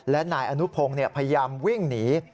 และนายอนุพงศ์พยายามวิ่งหนี